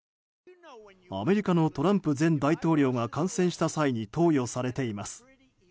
アメリカのトランプ前大統領が感染した際に投与されています。